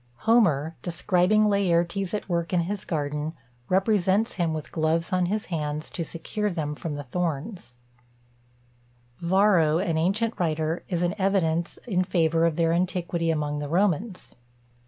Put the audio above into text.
Homer, describing Laertes at work in his garden, represents him with gloves on his hands, to secure them from the thorns. Varro, an ancient writer, is an evidence in favour of their antiquity among the Romans.